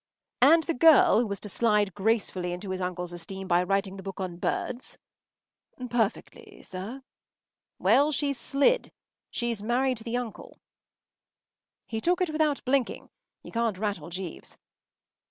” “And the girl who was to slide gracefully into his uncle’s esteem by writing the book on birds?” “Perfectly, sir.” “Well, she’s slid. She’s married the uncle.” He took it without blinking. You can’t rattle Jeeves.